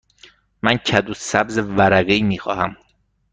من کدو سبز ورقه ای می خواهم.